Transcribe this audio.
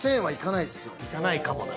いかないかもな。